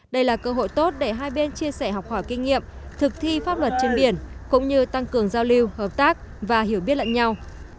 đây là cơ hội tốt để hai bên chia sẻ học hỏi kinh nghiệm thực thi pháp luật trên biển cũng như tăng cường giao lưu hợp tác và hiểu biết lẫn nhau